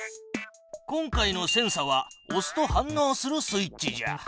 今回のセンサはおすと反のうするスイッチじゃ。